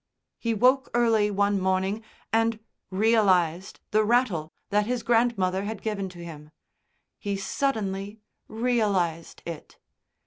He woke early one morning and realised the rattle that his grandmother had given to him. He suddenly realised it.